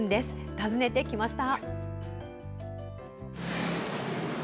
訪ねてきました。